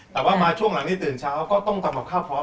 แต่ว่ามาช่วงหลังนี้ตื่นเช้าก็ต้องทำกับข้าวพร้อม